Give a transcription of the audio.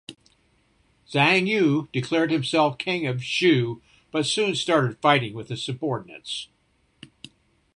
Zhang Yu declared himself King of Shu but soon started fighting with his subordinates.